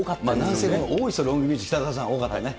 何せ大磯ロングビーチ、北澤さん、多かったね。